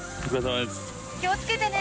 気をつけてね。